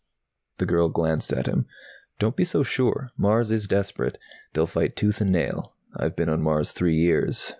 The girl glanced at him. "Don't be so sure. Mars is desperate. They'll fight tooth and nail. I've been on Mars three years."